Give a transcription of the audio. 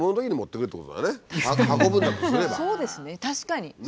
確かに。